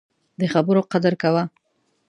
د خبرو قدر کوه